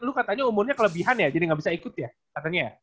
lu katanya umurnya kelebihan ya jadi nggak bisa ikut ya katanya